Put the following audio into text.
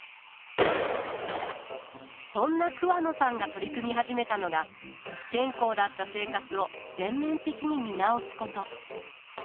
そんな桑野さんが取り組み始めたのが不健康だった生活を全面的に見直すこと。